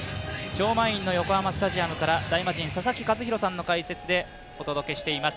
超満員の横浜スタジアムから大魔神・佐々木主浩さんの解説でお届けしています。